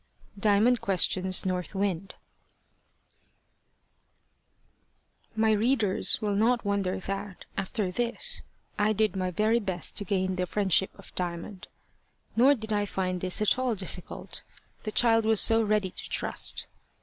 DIAMOND QUESTIONS NORTH WIND MY READERS will not wonder that, after this, I did my very best to gain the friendship of Diamond. Nor did I find this at all difficult, the child was so ready to trust.